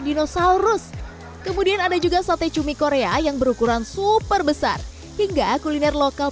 dinosaurus kemudian ada juga sate cumi korea yang berukuran super besar hingga kuliner lokal